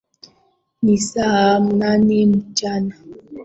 Ni saa nane mchana